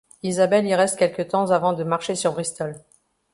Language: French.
Isabelle y reste quelque temps avant de marcher sur Bristol.